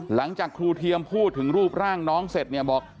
หลังจากครูเทียมพูดถึงรูปร่างน้องเสร็จเนี่ยบอก